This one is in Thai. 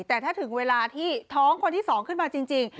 แต่ถ้าถึงเวลาที่ท้องคนที่๒ขึ้นมาจริง